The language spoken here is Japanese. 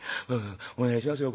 お願いしますよ。